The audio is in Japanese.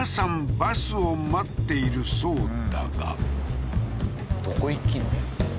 バスを待っているそうだがどこ行き？